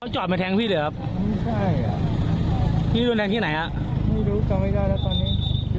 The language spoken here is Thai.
จอดมาแทงพี่เลยครับไม่ใช่อ่ะพี่รุนแรงที่ไหนฮะไม่รู้จำไม่ได้แล้วตอนนี้